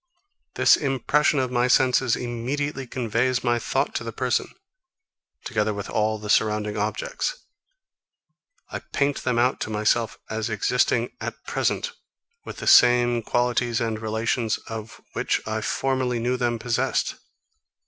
This impression of my senses immediately conveys my thought to the person, together with all the surrounding objects. I paint them out to myself as existing at present, with the same qualities and relations, of which I formerly knew them possessed.